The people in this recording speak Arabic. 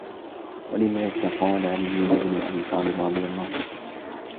وَلِذَلِكَ قَالَ عَلِيُّ بْنُ أَبِي طَالِبٍ رَضِيَ اللَّهُ عَنْهُ